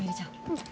うん。